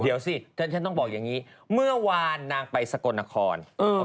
เดี๋ยวสิฉันต้องบอกอย่างนี้เมื่อวานนางไปสกลนคร